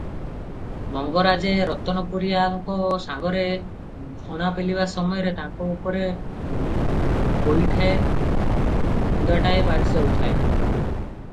ମଙ୍ଗରାଜେ ରତନପୁରିଆଙ୍କ ସାଙ୍ଗରେ ଘଣା ପେଲିବା ସମୟରେ ତାଙ୍କ ଉପରେ ଗୋଇଠାଏ, ଖୁନ୍ଦାଟାଏ ବାଜିଯାଉଥାଏ ।